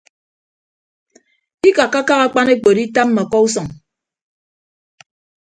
Ikakkakak akpan ekpo editamma ọkọ usʌñ.